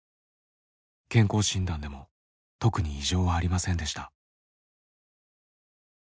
健康診断でも特に異常はありませんでした。